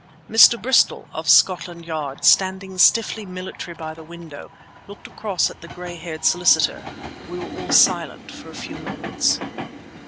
Mr. Bristol, of Scotland Yard, standing stiffly military by the window, looked across at the gray haired solicitor. We were all silent for a few moments.